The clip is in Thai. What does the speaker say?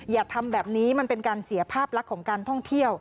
อย่าทำแบบนี้มันเป็นการเสียภาพลักษณ์ของการท่องเที่ยว